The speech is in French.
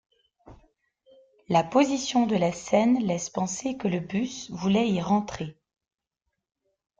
La position de la scène laisse penser que le bus voulait y rentrer.